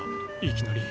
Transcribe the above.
いきなり。